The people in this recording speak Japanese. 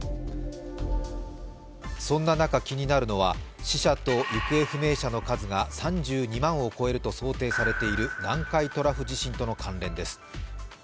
そんな中、気になるのは死者と行方不明者の数が３２万を超えると想定されている南海トラフ地震との関連です。